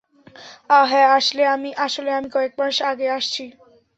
আহ, হ্যাঁ আসলে আমি কয়েক মাস আগে আসছি।